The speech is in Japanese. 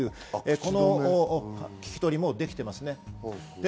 この聞き取りもできています。